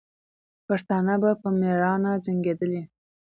پښتانه به په میړانه جنګېدلې.